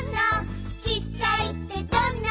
「ちっちゃいってどんな？」